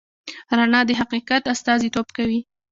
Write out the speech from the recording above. رڼا د حقیقت استازیتوب کوي.